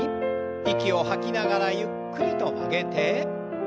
息を吐きながらゆっくりと曲げて。